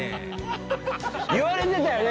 言われてたよね